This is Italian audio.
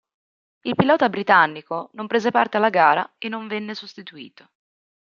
Il pilota britannico non prese parte alla gara e non venne sostituito